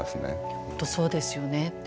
本当そうですよね。